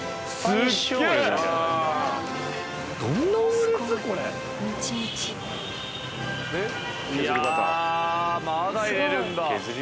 いやまだ入れるんだ。